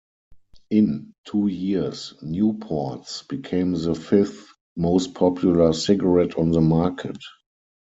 In two years, Newports became the fifth most popular cigarette on the market.